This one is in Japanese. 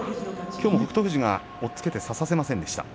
きょうも北勝富士が押っつけて差させませんでした。